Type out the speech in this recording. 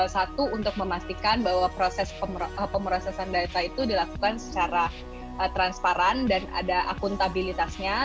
satu untuk memastikan bahwa proses pemrosesan data itu dilakukan secara transparan dan ada akuntabilitasnya